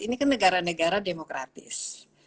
ini kan negara negara demokratis